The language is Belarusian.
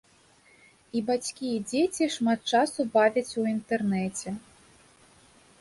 І бацькі, і дзеці шмат часу бавяць у інтэрнэце.